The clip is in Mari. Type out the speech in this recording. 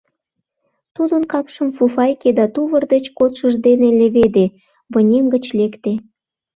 Тудын капшым фуфайке да тувыр деч кодшыж дене леведе, вынем гыч лекте.